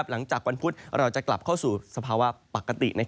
หลังจากวันพุธเราจะกลับเข้าสู่สภาวะปกติ